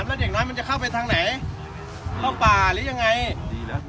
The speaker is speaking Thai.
แล้วเด็กน้อยมันจะเข้าไปทางไหนเข้าป่าหรือยังไงดีนะ